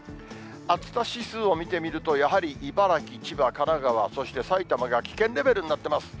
暑さ指数を見てみると、やはり茨城、千葉、神奈川、そして埼玉が危険レベルになってます。